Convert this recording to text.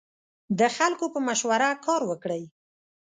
د خلکو په مشوره کار وکړئ.